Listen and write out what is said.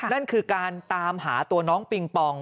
นั่นคือการตามหาตัวน้องปิงปอง